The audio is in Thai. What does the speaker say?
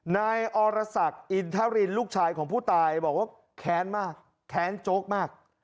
นายอรสักอินทรินลูกชายของผู้ตายบอกว่าแค้นมากแค้นโจ๊กมาก